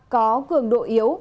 có cường độ yếu